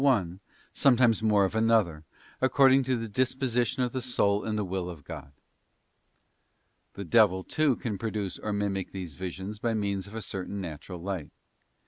172: THE ASCENT OF MOUNT CARMEL. times more of another, according to the disposition of the soul and the will of God. The devil, too, can produce or mimic these visions by means of a certain natural light.